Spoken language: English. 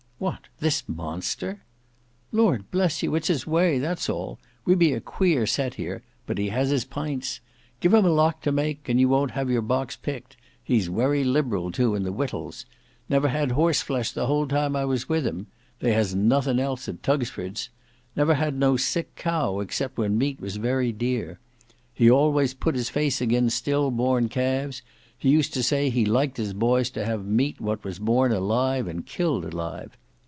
"What! this monster!" "Lord bless you, it's his way, that's all, we be a queer set here; but he has his pints. Give him a lock to make, and you won't have your box picked; he's wery lib'ral too in the wittals. Never had horse flesh the whole time I was with him; they has nothin' else at Tugsford's; never had no sick cow except when meat was very dear. He always put his face agin still born calves; he used to say he liked his boys to have meat what was born alive and killed alive.